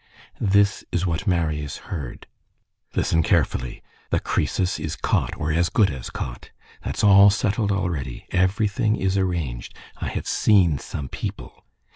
This is what Marius heard:— "Listen carefully. The Crœsus is caught, or as good as caught! That's all settled already. Everything is arranged. I have seen some people.